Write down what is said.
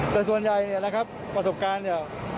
แต่ส่วนใหญ่เนี่ยภาษาการเนี่ย